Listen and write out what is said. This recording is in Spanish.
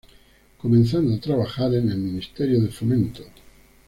Comenzando a trabajar en el ministerio de Fomento.